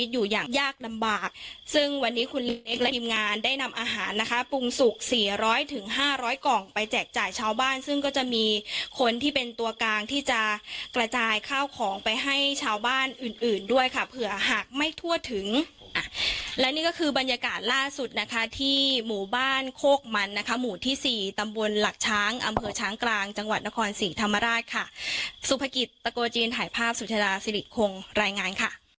ถึงห้าร้อยกล่องไปแจกจ่ายชาวบ้านซึ่งก็จะมีคนที่เป็นตัวกลางที่จะกระจายข้าวของไปให้ชาวบ้านอื่นอื่นด้วยค่ะเผื่อหากไม่ทั่วถึงอ่ะและนี่ก็คือบรรยากาศล่าสุดนะคะที่หมู่บ้านโคกมันนะคะหมู่ที่สี่ตำบลหลักช้างอำเภอช้างกลางจังหวัดนครสีธรรมราชค่ะสุภกิจตะโกจีนถ่ายภาพสุจราศิริคงราย